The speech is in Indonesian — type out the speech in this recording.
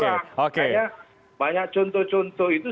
makanya banyak contoh contoh itu